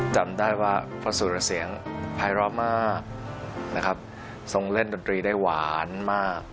จำได้ว่าพระสุรเสียงภายร้อมากนะครับทรงเล่นดนตรีได้หวานมาก